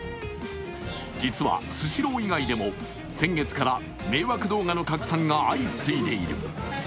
実はスシロー以外でも、先月から迷惑動画の拡散が相次いでいる。